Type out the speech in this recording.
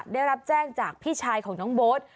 ได้รับแจ้งจากพี่ชายของน้องโบ๊ท